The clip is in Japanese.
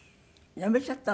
やめちゃったの？